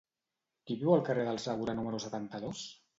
Qui viu al carrer del Segura número setanta-dos?